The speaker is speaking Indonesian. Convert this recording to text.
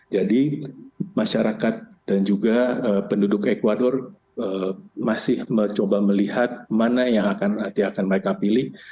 jadi masyarakat dan juga penduduk ecuador masih mencoba melihat mana yang nanti akan mereka pilih